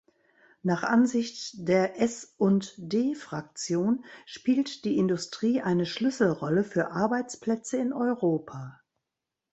Nach Ansicht der S&D-Fraktion spielt die Industrie eine Schlüsselrolle für Arbeitsplätze in Europa.